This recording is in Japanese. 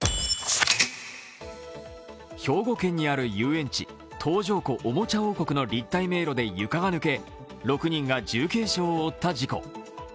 兵庫県にある遊園地、東条湖おもちゃ王国の立体迷路で床が抜け６人が重軽傷を負った事故。